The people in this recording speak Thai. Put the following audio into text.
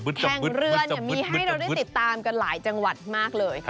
แข่งเรือมีให้เราได้ติดตามกันหลายจังหวัดมากเลย